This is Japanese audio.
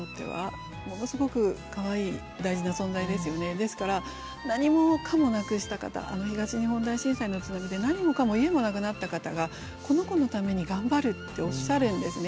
ですから何もかもなくした方あの東日本大震災の津波で何もかも家もなくなった方がこの子のために頑張るっておっしゃるんですね。